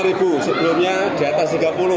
dua puluh lima ribu sebelumnya di atas tiga puluh